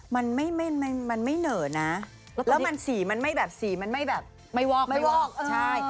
มันไม่มันไม่เหนอนะแล้วมันสีมันไม่แบบสีมันไม่แบบไม่วอกไม่วอกใช่